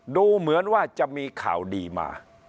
ดูเหมือนว่าจะมีข่าวดีมา